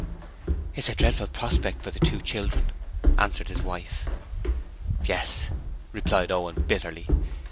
'It's a dreadful prospect for the two children,' answered his wife. 'Yes,' replied Owen bitterly.